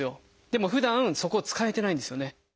でもふだんそこ使えてないんですよね。